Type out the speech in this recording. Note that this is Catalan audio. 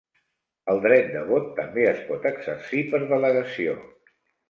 El dret de vot també es pot exercir per delegació